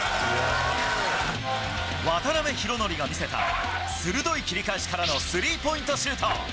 渡邉ひろのりが見せた、鋭い切り返しからのスリーポイントシュート。